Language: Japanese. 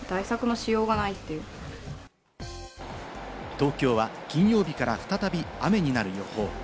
東京は金曜日から再び雨になる予報。